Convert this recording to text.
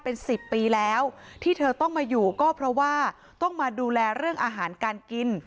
เป็นสิบปีแล้วที่เธอต้องมาอยู่ก็เพราะว่าต้องมาดูแลเรื่องอาหารการกิน